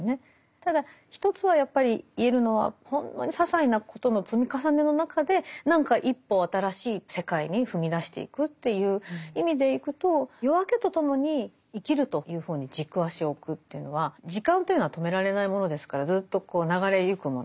ただ一つはやっぱり言えるのはほんのささいなことの積み重ねの中で何か一歩新しい世界に踏み出していくという意味でいくと夜明けとともに「生きる」というほうに軸足を置くというのは時間というのは止められないものですからずっと流れゆくもの。